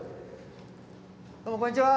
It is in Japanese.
どうもこんにちは。